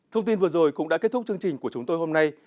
thông tin vừa rồi cũng đã kết thúc chương trình của chúng tôi hôm nay